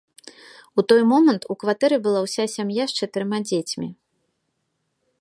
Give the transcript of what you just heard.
У той момант у кватэры была ўся сям'я з чатырма дзецьмі.